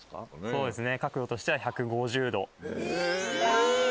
そうですね。